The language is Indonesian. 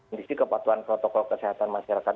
industri kepatuhan protokol kesehatan masyarakat